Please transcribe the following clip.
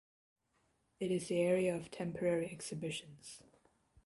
It is the area of temporary exhibitions.